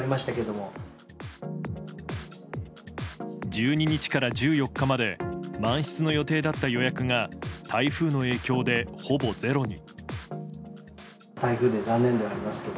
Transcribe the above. １２日から１４日まで満室の予定だった予約が台風の影響で、ほぼゼロに。